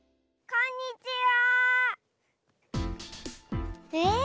こんにちは。